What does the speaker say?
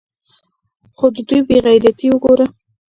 خو د دوى بې غيرتي اوګوره.